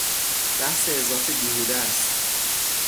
بحث اضافی بیهوده است.